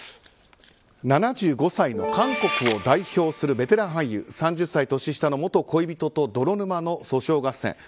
７５歳の韓国を代表するベテラン俳優３０歳年下の元恋人と泥沼の訴訟合戦。